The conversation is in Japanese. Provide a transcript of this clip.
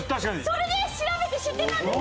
それで調べて知ってたんです！